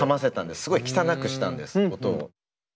すごい汚くしたんです音を。